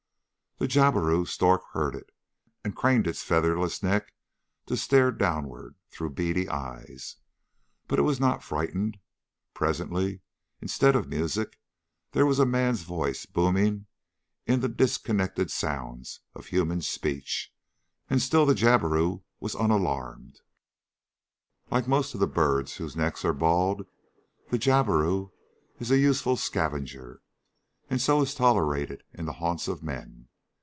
The jabiru stork heard it, and craned its featherless neck to stare downward through beady eyes. But it was not frightened. Presently, instead of music, there was a man's voice booming in the disconnected sounds of human speech. And still the jabiru was unalarmed. Like most of the birds whose necks are bald, the jabiru is a useful scavenger, and so is tolerated in the haunts of men.